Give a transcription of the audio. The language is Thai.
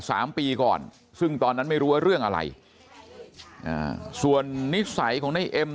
สามปีก่อนซึ่งตอนนั้นไม่รู้ว่าเรื่องอะไรอ่าส่วนนิสัยของในเอ็ม